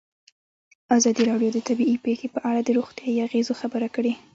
ازادي راډیو د طبیعي پېښې په اړه د روغتیایي اغېزو خبره کړې.